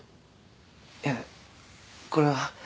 いやこれは。